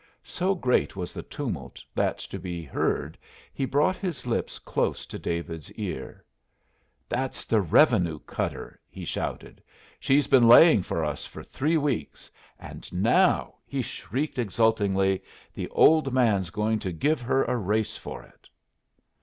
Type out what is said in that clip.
So great was the tumult that to be heard he brought his lips close to David's ear. "That's the revenue cutter!" he shouted. "She's been laying for us for three weeks, and now," he shrieked exultingly, "the old man's going to give her a race for it."